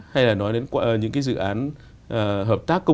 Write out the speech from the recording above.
hay là nói đến những cái dự án hợp tác công